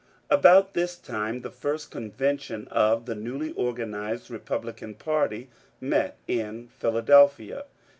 About this time the first convention of the newly organized Kepublican party met in Philadelphia.